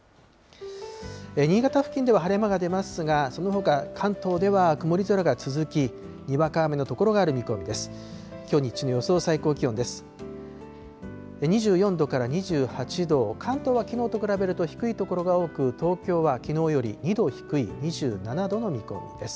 新潟付近では晴れ間が出ますが、そのほか、関東では曇り空が続き、にわか雨の所がある見込みです。